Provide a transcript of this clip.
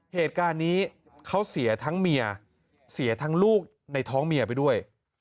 เหตุการณ์นี้เขาเสียทั้งเมียเสียทั้งลูกในท้องเมียไปด้วย